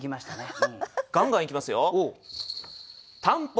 ガンガンいきますよ。